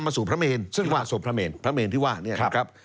ขัดต่อไปซึ่งนำมาสู่พระเมนพระเมนที่ว่า